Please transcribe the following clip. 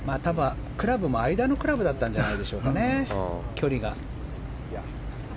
クラブも間のクラブだったんじゃないでしょうかね、距離が。